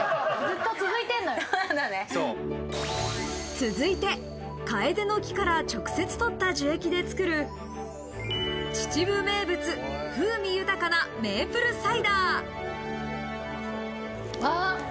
続いて、カエデの木から直接とった樹液で作る秩父名物、風味豊かな、メープルサイダー。